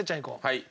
はい。